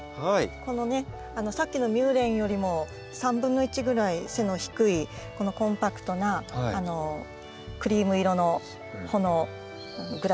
このねさっきのミューレンよりも３分の１ぐらい背の低いこのコンパクトなクリーム色の穂のグラスはですね。